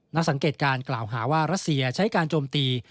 นักสังเกตการกล่าวหาว่ารัสเซียใช้การโจมตี